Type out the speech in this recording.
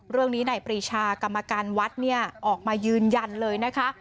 เรื่องนี้นายปรีชากรรมการวัดเนี่ยออกมายืนยันเลยนะคะ